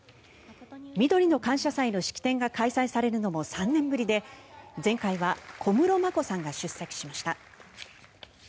みどりの感謝祭の式典が開催されるのも３年ぶりで前回は小室眞子さんが出席しました。